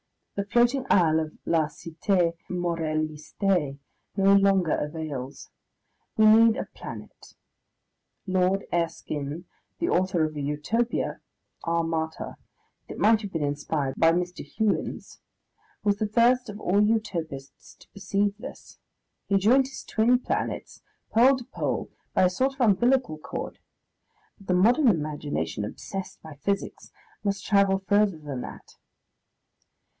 The floating isle of La Cite Morellyste no longer avails. We need a planet. Lord Erskine, the author of a Utopia ("Armata") that might have been inspired by Mr. Hewins, was the first of all Utopists to perceive this he joined his twin planets pole to pole by a sort of umbilical cord. But the modern imagination, obsessed by physics, must travel further than that.